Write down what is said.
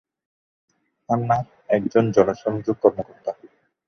হান্নাহ একজন জনসংযোগ কর্মকর্তা।